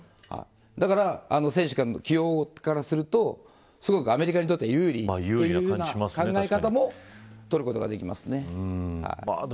だから選手の起用からするとすごくアメリカにとっては有利というような考え方も取ることができますね。